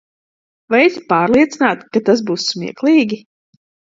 Vai esi pārliecināta, ka tas būs smieklīgi?